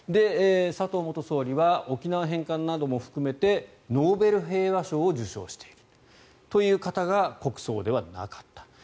佐藤元総理は沖縄返還なども含めてノーベル平和賞を受賞しているという方が国葬ではなかった。